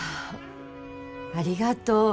ありがとう。